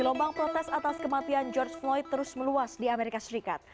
gelombang protes atas kematian george floyd terus meluas di amerika serikat